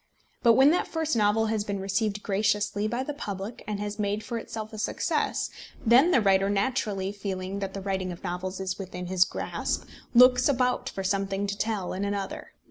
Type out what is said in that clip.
But when that first novel has been received graciously by the public and has made for itself a success, then the writer, naturally feeling that the writing of novels is within his grasp, looks about for something to tell in another.